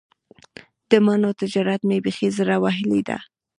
د مڼو تجارت مې بیخي زړه وهلی دی.